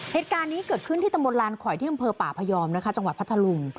เหตุการณ์นี้เกิดขึ้นที่ตำบลลานขวยที่อำเภอป่าพยอมนะคะจังหวัดพัทธลุง